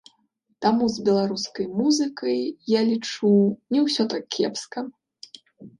Таму з беларускай музыкай, я лічу, не ўсё так кепска.